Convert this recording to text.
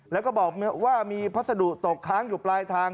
และบอกว่ามีพระสัตวุตกค้างอยู่ปลายทาง